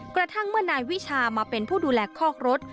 กระทั่งเมื่อนายวิชามาเป็นผู้ดูแลคอกรถ